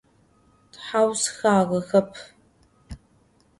Тхьаусхагъэхэп.